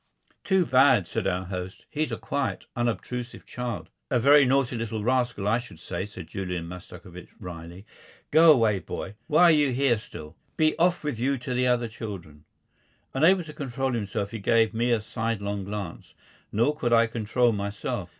"Too bad," said our host. "He's a quiet, unobtrusive child." "A very naughty little rascal, I should say," said Julian Mastakovich, wryly. "Go away, boy. Why are you here still? Be off with you to the other children." Unable to control himself, he gave me a sidelong glance. Nor could I control myself.